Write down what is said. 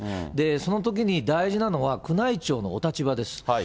そのときに大事なのは、宮内庁のお立場です。